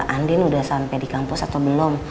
andin sudah sampai di kampus atau belum